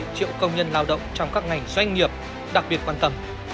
nhất là một mươi bốn bảy triệu công nhân lao động trong các ngành doanh nghiệp đặc biệt quan tâm